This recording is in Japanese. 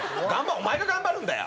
お前が頑張るんだよ。